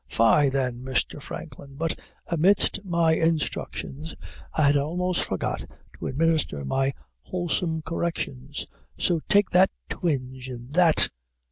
Fie, then, Mr. Franklin! But amidst my instructions, I had almost forgot to administer my wholesome corrections; so take that twinge, and that.